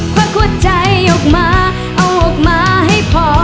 วักหัวใจออกมาเอาออกมาให้พอ